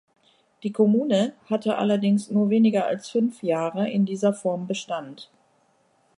Die Kommune hatte allerdings nur weniger als fünf Jahre in dieser Form Bestand.